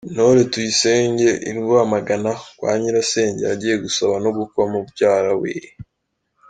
Intore Tuyisenge i Rwamagana kwa nyirasenge yagiye gusaba no gukwa mubyara we.